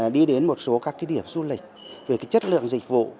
đi đến một số các điểm du lịch về chất lượng dịch vụ